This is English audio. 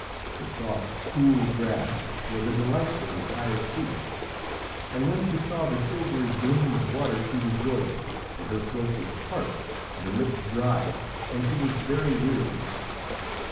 The soft, cool grass was a delight to her tired feet, and when she saw the silvery gleam of water she rejoiced, for her throat was parched and her lips dry and she was very weary.